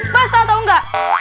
basah tau ga